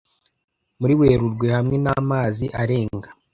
muri Werurwe hamwe n’amazi arenga